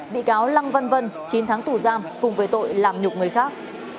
bị cáo lăng văn vân chín tháng tù giam cùng với tội làm nhục người khác